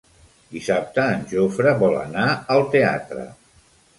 Dissabte en Jofre vol anar al teatre.